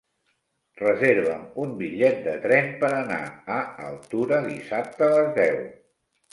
Reserva'm un bitllet de tren per anar a Altura dissabte a les deu.